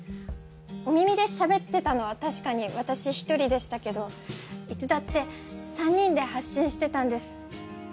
「お耳」でしゃべってたのは確かに私１人でしたけどいつだって３人で発信してたんです。